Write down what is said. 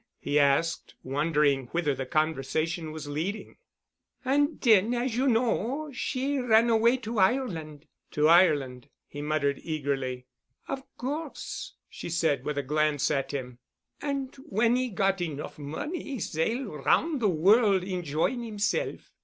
he asked, wondering whither the conversation was leading. "And den, as you know, she ran away to Ireland——" "To Ireland——" he muttered eagerly. "Of course," she said with a glance at him. "And when 'e got enough money 'e sail 'round de worl' enjoying himself.